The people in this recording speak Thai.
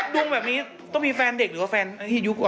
ดูงแบบนี้ต้องมีแฟนเด็กหรือแฟนที่ยุคอ่ะ